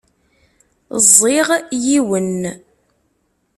Ẓẓiɣ yiwen.